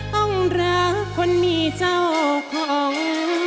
ต้องรักคนมีเจ้าของ